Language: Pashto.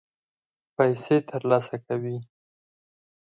پیسې ترلاسه کوي.